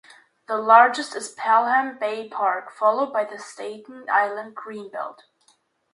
The largest is Pelham Bay Park, followed by the Staten Island Greenbelt.